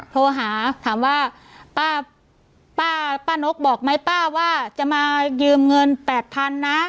โทรหาถามว่าป้าป้านกบอกไหมป้าว่าจะมายืมเงิน๘๐๐๐นะ